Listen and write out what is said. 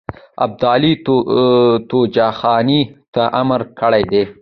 ابدالي توپخانې ته امر کړی دی.